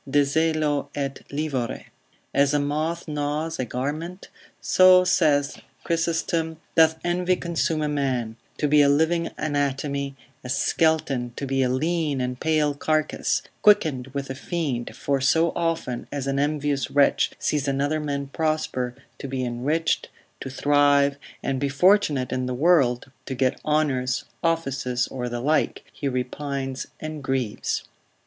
de zelo et livore. As a moth gnaws a garment, so, saith Chrysostom, doth envy consume a man; to be a living anatomy: a skeleton, to be a lean and pale carcass, quickened with a fiend, Hall in Charact. for so often as an envious wretch sees another man prosper, to be enriched, to thrive, and be fortunate in the world, to get honours, offices, or the like, he repines and grieves.